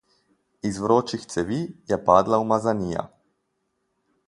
Iz vročih cevi je padla umazanija.